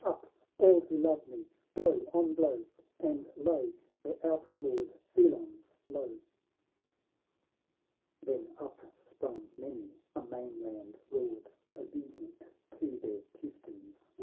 — Up, all who love me ! blow on blow ! And lay the outlawed felons low !"— Then up sprung many a mainland Lord, Obedient to their Chieftain's word.